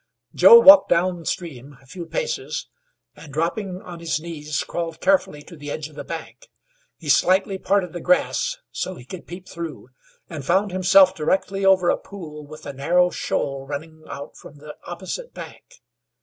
Joe walked down stream a few paces, and, dropping on his knees, crawled carefully to the edge of the bank. He slightly parted the grass so he could peep through, and found himself directly over a pool with a narrow shoal running out from the opposite bank.